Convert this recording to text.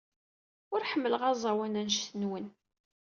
Ur ḥemmleɣ aẓawan anect-nwen.